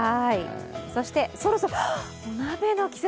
そして、そろそろお鍋の季節。